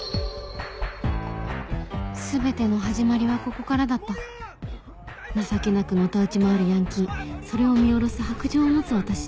全ての始まりはここからだった情けなくのたうち回るヤンキーそれを見下ろす白杖を持つ私